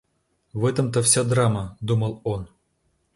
В этом-то вся драма, — думал он.